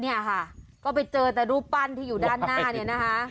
เนี่ยค่ะก็ไปเจอแต่รูปปั้นที่อยู่ด้านหน้าเนี่ยนะคะ